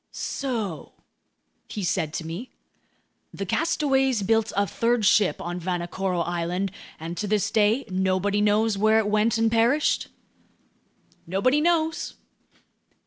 "So," he said to me, "the castaways built a third ship on Vanikoro Island, and to this day, nobody knows where it went and perished?" "Nobody knows."